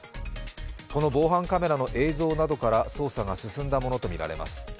この防犯カメラの映像などから捜査が進んだものとみられます。